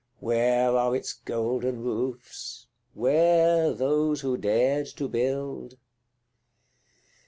Where are its golden roofs? where those who dared to build?